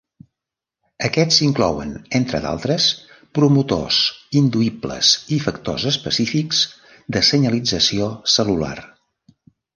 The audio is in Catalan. Aquests inclouen entre d'altres, promotors induïbles i factors específics de senyalització cel·lular.